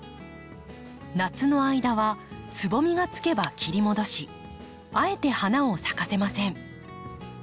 夏の間はつぼみがつけば切り戻しあえて花を咲かせません。